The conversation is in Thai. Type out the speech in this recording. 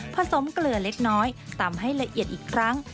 สมเกลือเล็กน้อยตำให้ละเอียดอีกครั้ง